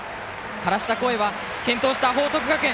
枯らした声は健闘した報徳学園。